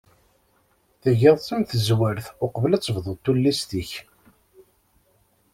Tgiḍ-tt am tezwart uqbel ad tebduḍ tullist-ik.